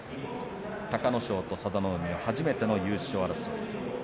隆の勝と佐田の海は初めての優勝争い。